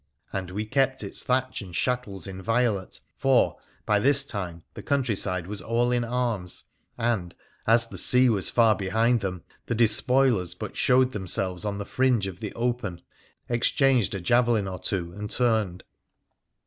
And we kept its thatch and chattels inviolate, for, by this time, the countryside was all in arms, and, as the sea was far behind them, the despoilers but showed themselves on the fringe of the open, exchanged a javelin or two, and turned.